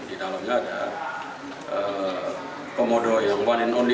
di dalamnya ada komodo yang one in only